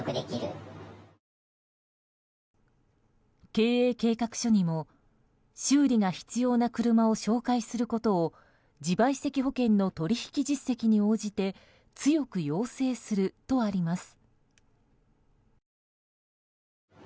経営計画書にも修理が必要な車を紹介することを自賠責保険の取引実績に応じて強く要請するとあります。